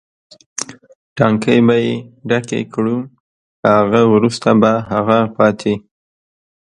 ټانکۍ به یې ډکې کړو، له هغه وروسته به هغه پاتې.